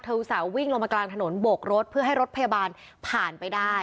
อุตส่าห์วิ่งลงมากลางถนนโบกรถเพื่อให้รถพยาบาลผ่านไปได้